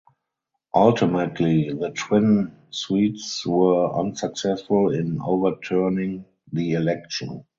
Ultimately the twin suits were unsuccessful in overturning the election.